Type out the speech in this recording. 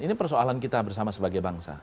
ini persoalan kita bersama sebagai bangsa